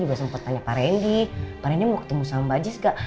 mampu tanya pak randy pak randy mau ketemu sama mbak jis gak